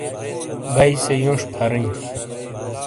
گیئ سے یونش پھَریئں۔